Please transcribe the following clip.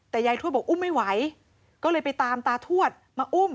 แต่ยายทวดบอกอุ้มไม่ไหวก็เลยไปตามตาทวดมาอุ้ม